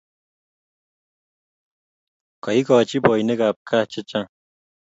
kaikochi boinikab gaa chechang'